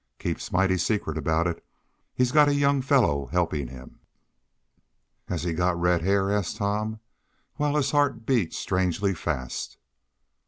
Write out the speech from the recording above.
Keeps mighty secret about it. He's got a young fellow helping him." "Has he got red hair?" asked Tom, while his heart beat strangely fast.